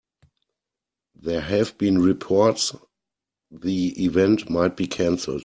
There have been reports the event might be canceled.